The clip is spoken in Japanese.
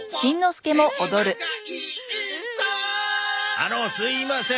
あのすいません。